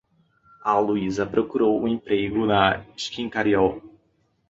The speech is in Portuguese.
A Luísa procurou um emprego na Schincariol.